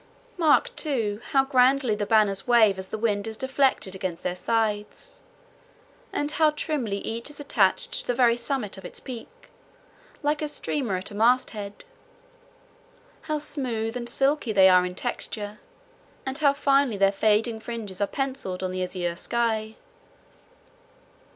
Mark, too, how grandly the banners wave as the wind is deflected against their sides, and how trimly each is attached to the very summit of its peak, like a streamer at a masthead; how smooth and silky they are in texture, and how finely their fading fringes are penciled on the azure sky.